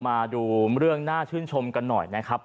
มาดูเรื่องน่าชื่นชมกันหน่อยนะครับ